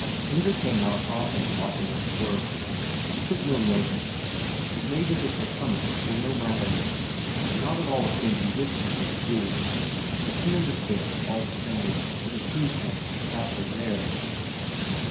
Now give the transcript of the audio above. Inger came out often, to watch him at work. He took no notice, but made as if her coming were no matter, and not at all a thing he wished for her to do; but she understood all the same that it pleased him to have her there.